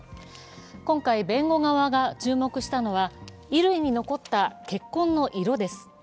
今回、弁護側が注目したのは衣類に残った血痕の色です。